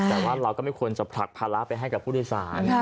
แต่ว่าเราก็ไม่ควรจะผลักภาระไปให้กับผู้โดยสาร